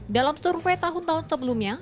dalam survei tahun tahun sebelumnya